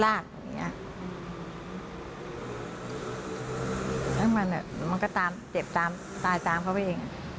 แล้วมันก็ตามเจ็บตามตายตามเขาไปเอง